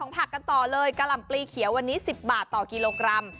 ปลีเขียววันนี้๑๐บาทต่อกิโลกรัม